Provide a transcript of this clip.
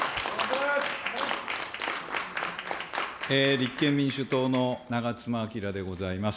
立憲民主党の長妻昭でございます。